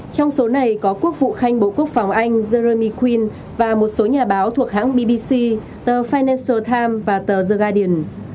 trong số này có quốc vụ khanh bộ quốc phòng anh jeremy quinn và một số nhà báo thuộc hãng bbc the financial times và the guardian